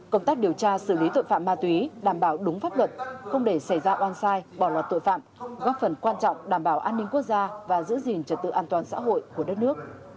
công tác điều tra xử lý tội phạm ma túy đảm bảo đúng pháp luật không để xảy ra oan sai bỏ lọt tội phạm góp phần quan trọng đảm bảo an ninh quốc gia và giữ gìn trật tự an toàn xã hội của đất nước